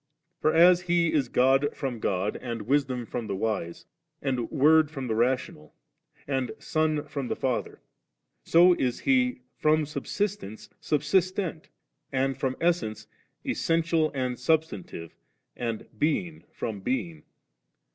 For as He is God from God, and Wisdom from the Wise, and Word from the Rational, and Son from Father, so is He fit>m Subsistence Subsistent, and from Essence Essential and Substantive, and Being from Being.